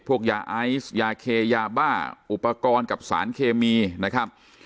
พวกยาไอซ์ยาเคยาบ้าอุปกรณ์กับสารเคมีนะครับ